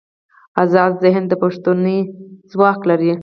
ازاد ذهن د پوښتنې ځواک لري.